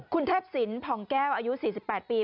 คุณแทบสินผองแก้วอายุ๔๘ปี